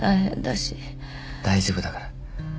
大丈夫だから。